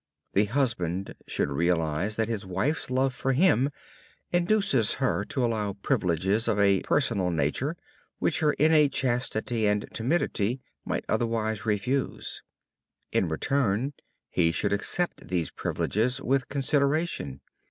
The husband should realize that his wife's love for him induces her to allow privileges of a personal nature which her innate chastity and timidity might otherwise refuse. In return, he should accept these privileges with consideration.